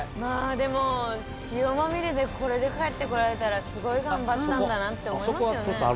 でも塩まみれでこれで帰ってこられたらすごい頑張ったんだなって思いますよね。